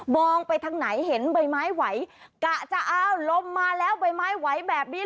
ไปทางไหนเห็นใบไม้ไหวกะจะอ้าวลมมาแล้วใบไม้ไหวแบบนี้เห